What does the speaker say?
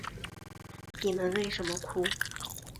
你们为什么哭？